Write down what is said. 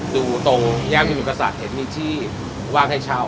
ดูตรงย่างกินอยู่กับสัตว์เห็นมีที่วางให้เช่า